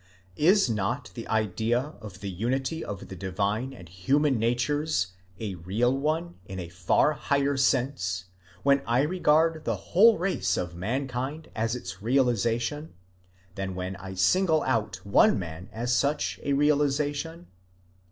is not the idea of the unity of the divine and human natures a real one in a far higher sense, when I regard the whole race of mankind as its realization, than when I single out one man as such a realization